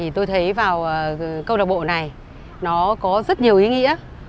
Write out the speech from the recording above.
tôi thấy vào câu lạc bộ này nó có rất nhiều ý nghĩa